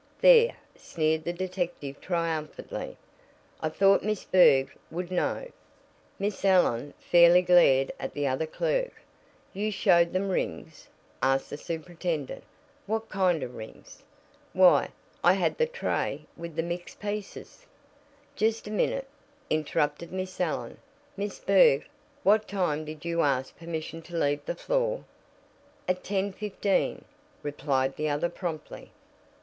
"There!" sneered the detective triumphantly, "I thought Miss Berg would know." Miss Allen fairly glared at the other clerk. "You showed them rings?" asked the superintendent. "What kind of rings?" "Why, I had the tray with the mixed pieces " "Just a minute," interrupted Miss Allen. "Miss Berg, what time did you ask permission to leave the floor?" "At 10:15," replied the other promptly.